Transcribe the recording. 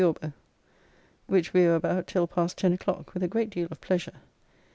] which we were about till past ten o'clock, with a great deal of pleasure.